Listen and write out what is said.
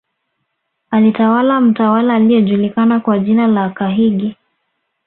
Alitawala mtawala aliyejulikana kwa jina la Kahigi